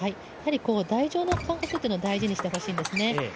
台上の感覚というのを大事にしてほしいんですね。